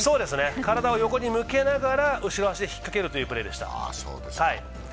体を横に向けながら後ろ足で引っかけるというプレーでした。